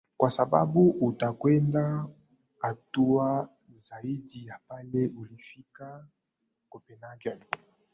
kwa sababu utakwenda hatua zaidi ya pale ulipofika copenhagen